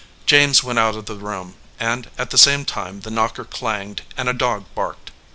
James went out of the room, and at the same time the knocker clanged and a dog barked.